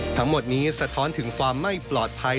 ทั้งหมดนี้สะท้อนถึงความไม่ปลอดภัย